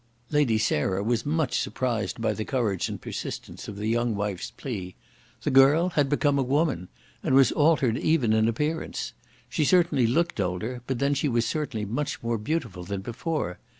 Lady Sarah was much surprised by the courage and persistence of the young wife's plea. The girl had become a woman, and was altered even in appearance. She certainly looked older, but then she was certainly much more beautiful than before.